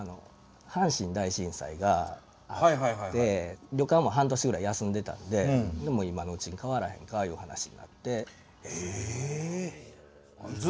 阪神大震災があって旅館も半年ぐらい休んでたんで今のうちに代わらへんかいう話になってですね。